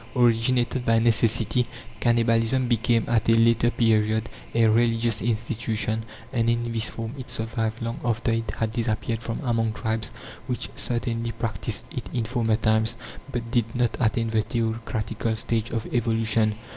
Originated by necessity, cannibalism became, at a later period, a religious institution, and in this form it survived long after it had disappeared from among tribes which certainly practised it in former times, but did not attain the theocratical stage of evolution.